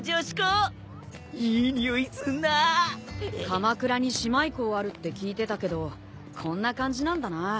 鎌倉に姉妹校あるって聞いてたけどこんな感じなんだな。